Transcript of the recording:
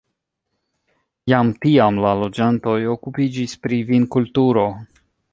Jam tiam la loĝantoj okupiĝis pri vinkulturo.